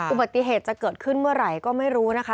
อุบัติเหตุจะเกิดขึ้นเมื่อไหร่ก็ไม่รู้นะคะ